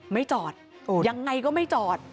ไม่จอดยังไงก็ไม่จอด